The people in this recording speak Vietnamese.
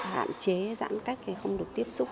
hạn chế giãn cách không được tiếp xúc